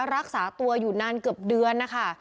รักษาตัวอยู่นานเกือบเดือนนะคะ